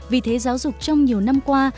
vì thế giáo dục trong nhiều năm qua